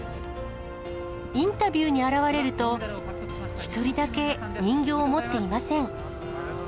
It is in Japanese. インタビューに現れると、１人だけ人形を持っていません。